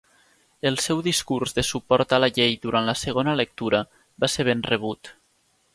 El seu discurs de suport a la llei durant la segona lectura va ser ben rebut.